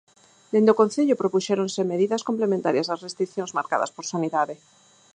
Dende o concello propuxéronse medidas complementarias ás restricións marcadas por Sanidade.